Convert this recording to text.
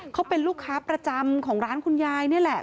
เขาเป็นลูกค้าประจำของร้านคุณยายนี่แหละ